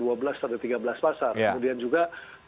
ada tiga belas pasar kemudian juga